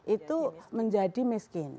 itu menjadi miskin